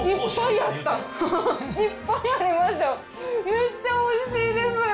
めっちゃおいしいです。